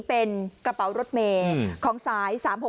เป็นกระเป๋ารถเมย์ของสาย๓๖๖